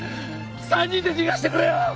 ３人で逃がしてくれよ！